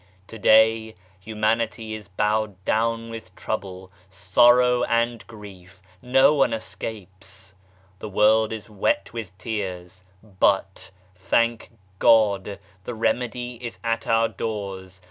To day, Humanity is bowed down with trouble, sorrow and grief, no one escapes ; the world is wet with tears ; but, thank God, the remedy is at our doors.